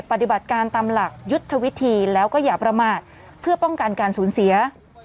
ปฏิบัติการตามหลักยุทธวิธีแล้วก็อย่าประมาทเพื่อป้องกันการสูญเสีย